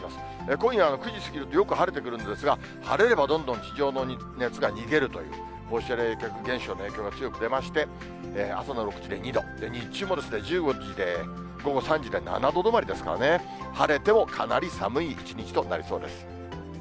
今夜９時過ぎるとよく晴れるんですが、晴れればどんどん地上の熱が逃げるという、放射冷却現象の影響が強く出まして、朝の６時で２度、日中も１５時で、午後３時で７度止まりですからね、晴れてもかなり寒い一日となりそうです。